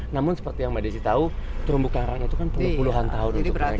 namun seperti yang mbak desi tahu terumbu karang itu kan perlu puluhan tahun untuk naik